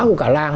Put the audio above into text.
của cả làng